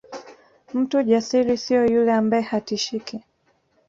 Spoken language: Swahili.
Mtu jasiri sio yule ambaye hatishiki